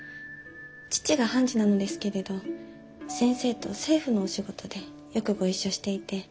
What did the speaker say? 父が判事なのですけれど先生と政府のお仕事でよくご一緒していて。